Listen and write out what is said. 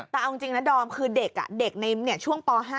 แต่เอาจริงนะดอมคือเด็กในช่วงป๕